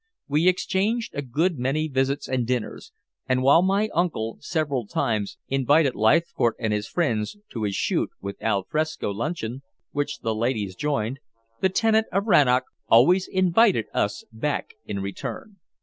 We exchanged a good many visits and dinners, and while my uncle several times invited Leithcourt and his friends to his shoot with al fresco luncheon, which the ladies joined, the tenant of Rannoch always invited us back in return.